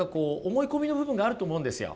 思い込みの部分があると思うんですよ。